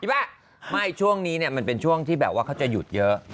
ว่าไม่ช่วงนี้มันเป็นช่วงที่แบบว่าเขาจะหยุดเยอะ